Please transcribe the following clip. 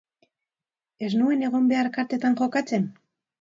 Ez zuen egon behar kartetan jokatzen?